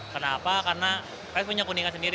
kenapa karena punya kuningan sendiri